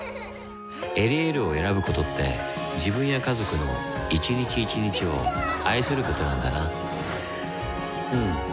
「エリエール」を選ぶことって自分や家族の一日一日を愛することなんだなうん。